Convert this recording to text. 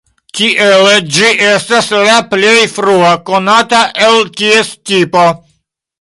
Tiele ĝi estas la plej frua konata el ties tipo.